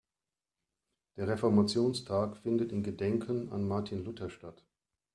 Der Reformationstag findet in Gedenken an Martin Luther statt.